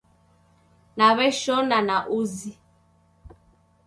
Naw'eshona na uzi